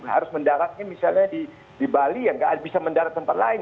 harus mendaratnya misalnya di bali ya nggak bisa mendarat tempat lain